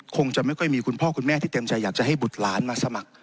คงจะไม่ค่อยมีคุณพ่อคุณแม่ที่เต็มใจอยากจะให้บุตรหลานมาสมัคร